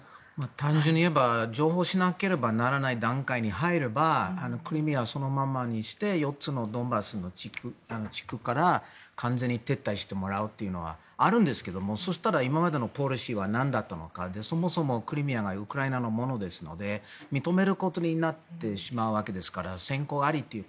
単純に言えば譲歩しなければならない段階に入ればクリミアはそのままにして４つのドンバスの地区から完全に撤退してもらうというのはあるんですがそしたら今までのポリシーは何だったのかそもそもクリミアはウクライナのものですので認めることになってしまうわけですから。